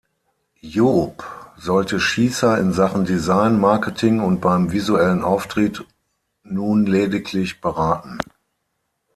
Joop sollte Schiesser in Sachen Design, Marketing und beim visuellen Auftritt nun lediglich beraten.